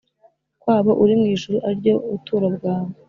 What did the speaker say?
Kwabo uri mu ijuru ari ryo buturo bwawe